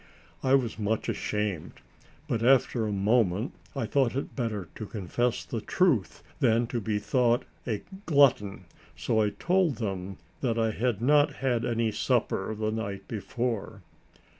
I was much ashamed, but after a moment I thought it better to confess the truth than to be thought a glutton, so I told them that I had not had any supper the night before.